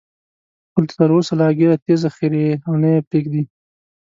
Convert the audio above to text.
خو تر اوسه لا ږیره تېزه خرېي او نه یې پریږدي.